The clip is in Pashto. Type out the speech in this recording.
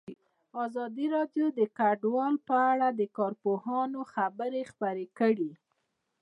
ازادي راډیو د کډوال په اړه د کارپوهانو خبرې خپرې کړي.